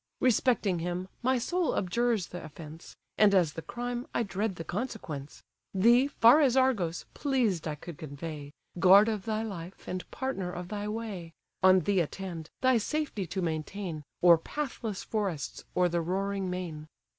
Respecting him, my soul abjures the offence; And as the crime, I dread the consequence. Thee, far as Argos, pleased I could convey; Guard of thy life, and partner of thy way: On thee attend, thy safety to maintain, O'er pathless forests, or the roaring main."